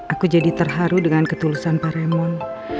aku jadi terharu dengan ketulusan pak remon